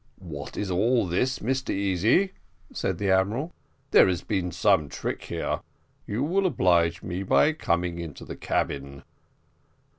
"What is all this, Mr Easy?" said the admiral; "there has been some trick here. You will oblige me by coming into the cabin."